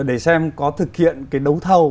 để xem có thực hiện cái đấu thầu